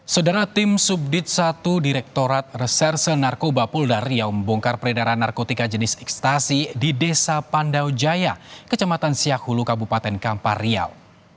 saudara tim subdit satu direktorat reserse narkoba polda riau membongkar peredaran narkotika jenis ekstasi di desa pandau jaya kecamatan siak hulu kabupaten kampar riau